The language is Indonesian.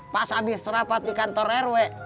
pas habis rapat di kantor rw